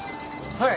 はい。